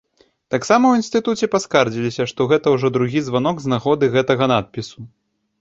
Таксама ў інстытуце паскардзіліся, што гэта ўжо другі званок з нагоды гэтага надпісу.